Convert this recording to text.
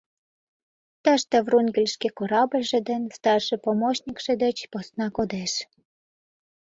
Тыште Врунгель шке корабльже ден старший помощникше деч посна кодеш